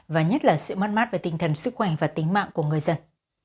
và nhất là sự mất mát về tinh thần sức khỏe và tính mạng của người dân